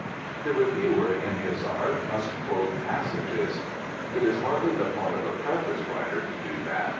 The reviewer in his art must quote passages. It is hardly the part of a Preface writer to do that.